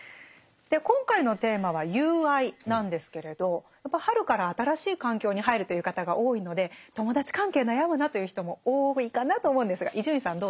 今回のテーマは「友愛」なんですけれどやっぱ春から新しい環境に入るという方が多いので友達関係悩むなという人も多いかなと思うんですが伊集院さんどうですか？